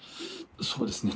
そうですね